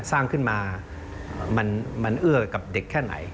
สร้างขึ้นมามันเอื้อกับเด็กแค่ไหน